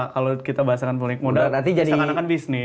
kalau kita bahas dengan pemilik modal misalkan kan bisnis